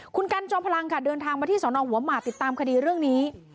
คุณกันจอมพลังค่ะเดินทางมาที่สนหัวหมากติดตามคดีเรื่องนี้